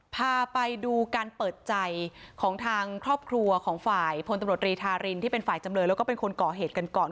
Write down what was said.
พาไปดูการเปิดใจของทางครอบครัวของฝ่ายพลตำรวจรีธารินที่เป็นฝ่ายจำเลยแล้วก็เป็นคนก่อเหตุกันก่อน